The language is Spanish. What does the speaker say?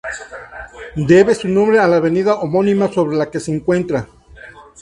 Debe su nombre a la avenida homónima sobre la que se encuentra.